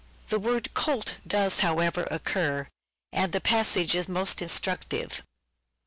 The word " colt " does, however, occur, and the passage is most instructive.